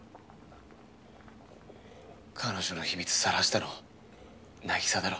彼女の秘密晒したの凪沙だろ？